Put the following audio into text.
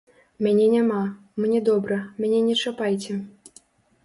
Мяне няма, мне добра, мяне не чапайце.